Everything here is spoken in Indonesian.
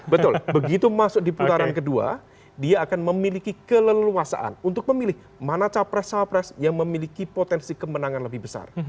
betul begitu masuk di putaran kedua dia akan memiliki keleluasaan untuk memilih mana capres capres yang memiliki potensi kemenangan lebih besar